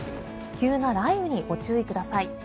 急な雷雨にご注意ください。